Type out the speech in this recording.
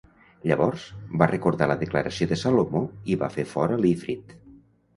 Llavors, va recordar la declaració de Salomó i va fer fora l'Ifrit.